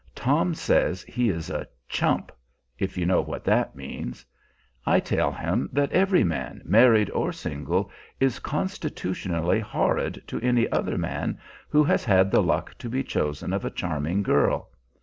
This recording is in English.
Tom says he is a "chump," if you know what that means. I tell him that every man, married or single, is constitutionally horrid to any other man who has had the luck to be chosen of a charming girl.